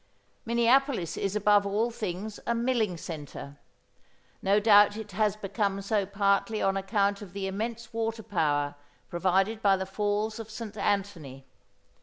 Minneapolis is above all things a milling centre. No doubt it has become so partly on account of the immense water power provided by the Falls of St Antony.